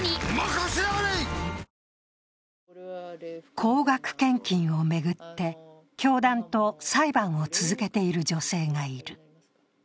高額献金を巡って、教団と裁判を続けている女性がいる。